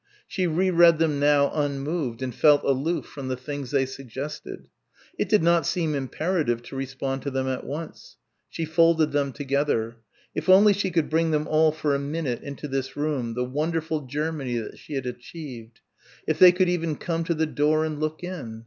She re read them now unmoved and felt aloof from the things they suggested. It did not seem imperative to respond to them at once. She folded them together. If only she could bring them all for a minute into this room, the wonderful Germany that she had achieved. If they could even come to the door and look in.